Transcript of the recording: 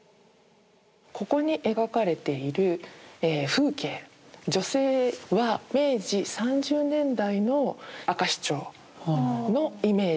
ここに描かれている風景女性は明治３０年代の明石町のイメージで描かれている。